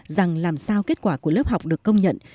rằng làm sao kết quả của lớp học được công nhận